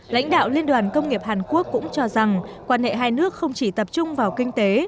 lãnh đạo liên đoàn công nghiệp hàn quốc cũng cho rằng quan hệ hai nước không chỉ tập trung vào kinh tế